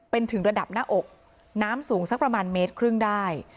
เป็นถึงระดับหน้าอกน้ำสูงสักประมาณเมตรครึ่งได้